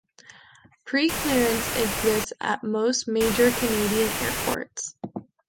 Preclearance exists at most major Canadian airports.